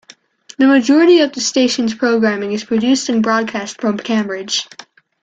The majority of the station's programming is produced and broadcast from Cambridge.